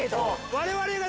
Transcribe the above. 我々が。